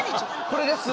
これです。